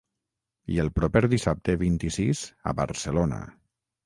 I el proper dissabte vint-i-sis a Barcelona.